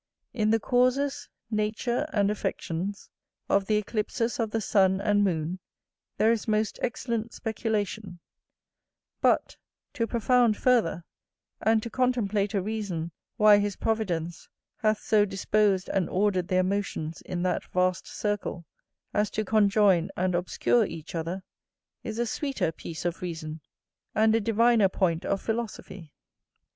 In the causes, nature, and affections, of the eclipses of the sun and moon, there is most excellent speculation; but, to profound further, and to contemplate a reason why his providence hath so disposed and ordered their motions in that vast circle, as to conjoin and obscure each other, is a sweeter piece of reason, and a diviner point of philosophy.